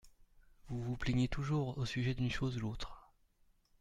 Vous vous plaignez toujours au sujet d’une chose ou l’autre.